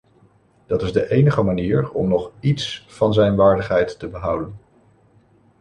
Dat is de enige manier om nog iets van zijn waardigheid te behouden.